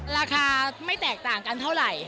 ราคาไม่แตกต่างกันเท่าไหร่